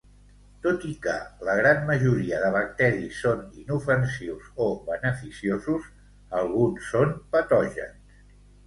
Tot i que la gran majoria de bacteris són inofensius o beneficiosos, alguns són patògens.